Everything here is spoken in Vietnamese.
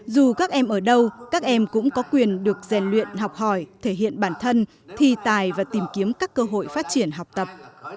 dù các em ở đâu các em cũng có quyền được rèn luyện học hỏi thể hiện bản thân thi tài và tìm kiếm các cơ hội phát triển học tập